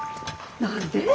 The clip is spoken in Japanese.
何で？